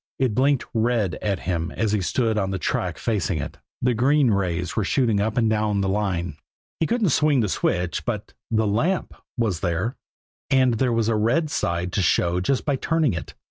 It blinked red at him as he stood on the track facing it; the green rays were shooting up and down the line. He couldn't swing the switch but the lamp was there and there was the red side to show just by turning it.